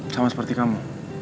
sama seperti kamu